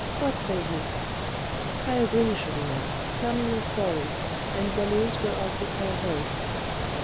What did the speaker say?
What say you?" "I agree, Chourineur; tell me your story, and Goualeuse will also tell hers."